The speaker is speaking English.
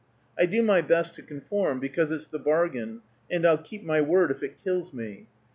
I do my best to conform, because it's the bargain, and I'll keep my word if it kills me.